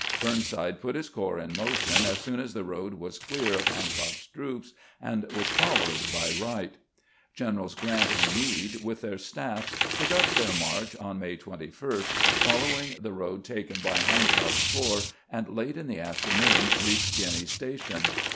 Burnside put his corps in motion as soon as the road was clear of Hancock's troops, and was followed by Wright. Generals Grrant and Meade, with their staffs, took up their march on May 21, following the road taken by Hancock's corps, and late in the afternoon reached Gruiney's Station.